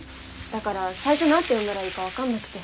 だから最初何て呼んだらいいか分かんなくて。